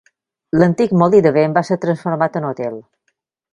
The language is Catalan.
L'antic molí de vent va ser transformat en hotel.